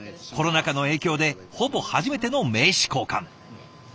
コロナ禍の影響でほぼ初めての名刺交換。